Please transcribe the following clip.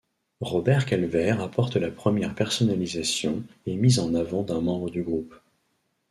Robert Calvert apporte la première personnalisation et mise en avant d'un membre du groupe.